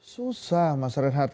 susah mas renhat